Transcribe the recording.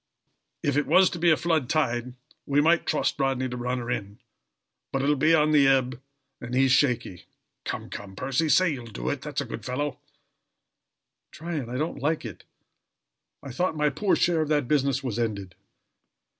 If it was to be a flood tide we might trust Rodney to run her in: but it will be on the ebb, and he is shaky. Come, come, Percy, say you'll do it, that's a good fellow!!" "Tryon, I don't like it. I thought my poor share of that business was ended."